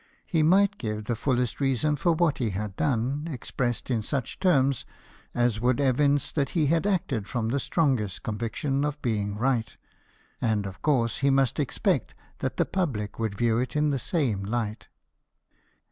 He might give the fullest reasons for what he had done, expressed in such terms as would evince that he had acted from the strongest convic tion of being right ; and of course he must expect that the public would view it in the same light.